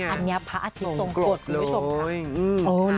อันนี้พระอาทิตย์ทรงกฎคุณผู้ชมค่ะ